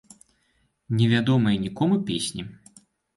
Не вядомыя нікому песні.